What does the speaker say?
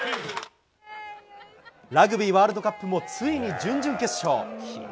ラグビーワールドカップもついに準々決勝。